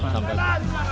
sampai blok a